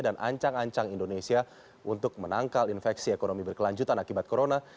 dan ancang ancang indonesia untuk menangkal infeksi ekonomi berkelanjutan akibat corona